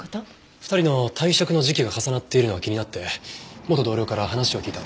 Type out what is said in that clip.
２人の退職の時期が重なっているのが気になって元同僚から話を聞いたんです。